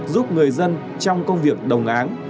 giúp người dân trong công việc đồng áng